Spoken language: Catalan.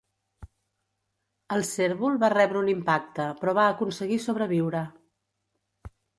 El cérvol va rebre un impacte però va aconseguir sobreviure.